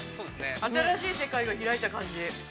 新しい世界が開いた感じ。